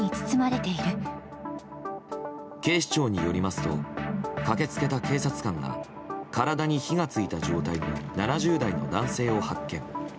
警視庁によりますと駆け付けた警察官が体に火が付いた状態の７０代の男性を発見。